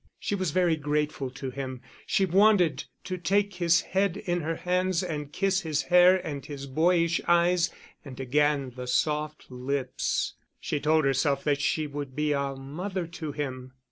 She was very grateful to him, she wanted to take his head in her hands and kiss his hair and his boyish eyes and again the soft lips. She told herself that she would be a mother to him.